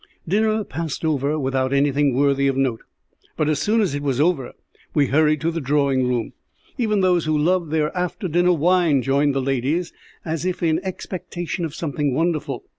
Dinner passed over without anything worthy of note, but as soon as it was over we hurried to the drawing room. Even those who loved their after dinner wine joined the ladies, as if in expectation of something wonderful.